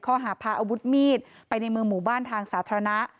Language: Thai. ข้อหาพาอาวุธมีดไปในเมืองหมู่บ้านทางสาธารณะ